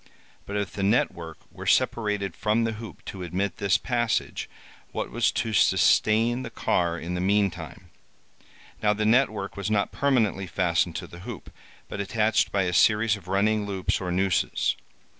But if the net work were separated from the hoop to admit this passage, what was to sustain the car in the meantime? Now the net work was not permanently fastened to the hoop, but attached by a series of running loops or nooses.